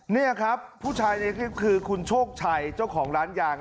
นี่ครับผู้ชายในคลิปคือคุณโชคชัยเจ้าของร้านยาง